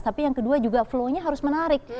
tapi yang kedua juga flow nya harus menarik